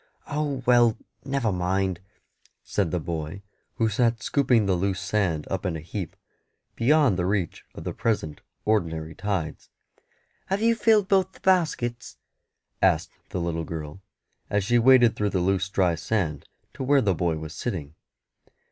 "Oh, well, never mind," said the boy, who sat scooping the loose sand up in a heap, beyond the reach of the present ordinary tides. "Have you filled both the baskets?" asked the little girl, as she waded through the loose dry sand to where the boy was sitting.